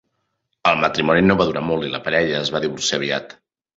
El matrimoni no va durar molt i la parella es va divorciar aviat.